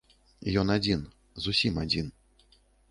Ён адзін, зусім адзін.